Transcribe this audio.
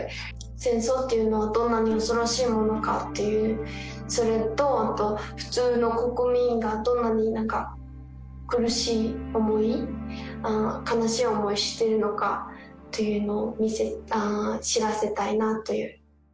戦争っていうのはどんなに恐ろしいものかっていう、それと、あと、普通の国民がどんなに苦しい思い、悲しい思いしてるのかっていうのを知らせたいなっていう。